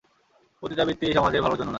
পতিতাবৃত্তি সমাজের ভালোর জন্য নয়।